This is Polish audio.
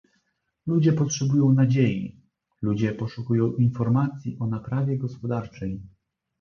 Ludzie potrzebują nadziei, ludzie poszukują informacji o naprawie gospodarczej